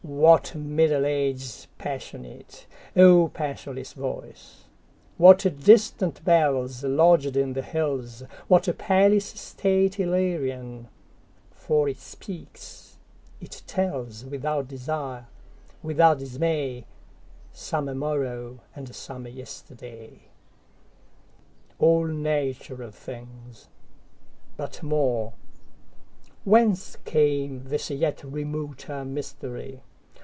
What Middle Ages passionate,O passionless voice! What distant bellsLodged in the hills, what palace stateIllyrian! For it speaks, it tells, Without desire, without dismay, Some morrow and some yesterday. All natural things! But more—Whence cameThis yet remoter mystery?